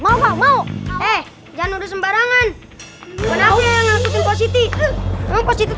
enggak ya udah agak toilet